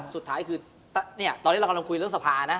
สุดท้ายคือตอนนี้เรากำลังคุยเรื่องสภานะ